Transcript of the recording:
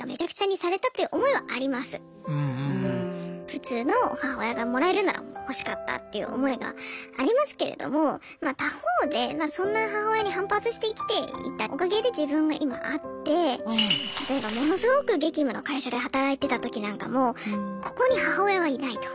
普通の母親がもらえるなら欲しかったっていう思いがありますけれども他方でそんな母親に反発して生きていたおかげで自分が今あって例えばものすごく激務の会社で働いてた時なんかもここに母親はいないと。